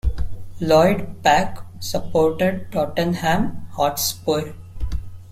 Lloyd-Pack supported Tottenham Hotspur.